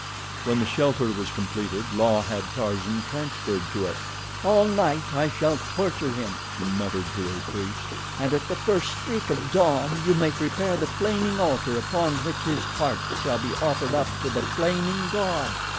When the shelter was completed La had Tarzan transferred to it. "All night I shall torture him," she muttered to her priests, "and at the first streak of dawn you may prepare the flaming altar upon which his heart shall be offered up to the Flaming God.